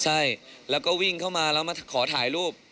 ใช่แล้วก็วิ่งเข้ามาแล้วมาขอถ่ายรูป